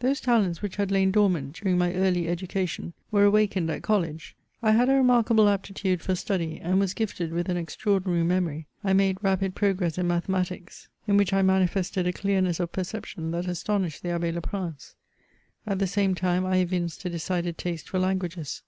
Those talents which had lain dormant during my early education were awakened at college ; I had a remarkable apti tude for study, and was gifted with an extraordinary memory. I made rapid progress in mathematics, in which I mamfeated / CHATEAUBRIAND. 87 a deames^ of pereeption that astonished the AbM Leprinoe. At the same time, I evinced a decided taste for langoages.